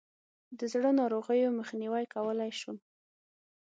د زړه ناروغیو مخنیوی کولای شو.